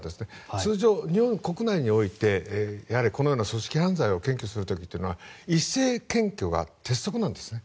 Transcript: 通常、日本国内においてやはりこのような組織犯罪を検挙する時というのは一斉検挙が鉄則なんですね。